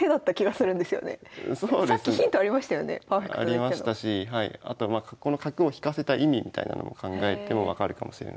ありましたしはいあとまあこの角を引かせた意味みたいなのも考えても分かるかもしれないです。